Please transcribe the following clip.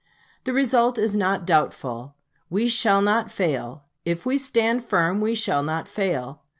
The result is not doubtful. We shall not fail if we stand firm we shall not fail.